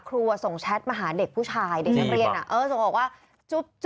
ครูอะส่งแชทมาหาเด็กผู้ชายบางคนส่งออกว่าจุ๊บ